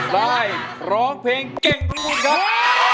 ได้ร้องเพลงเก่งประมูลครับ